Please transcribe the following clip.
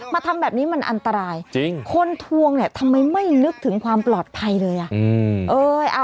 ทำแบบนี้มันอันตรายจริงคนทวงเนี่ยทำไมไม่นึกถึงความปลอดภัยเลยอ่ะ